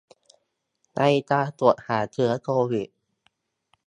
ในการตรวจหาเชื้อโควิด